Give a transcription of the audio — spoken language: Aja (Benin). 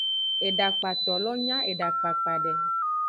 Edakpato lo nya edakpakpa de.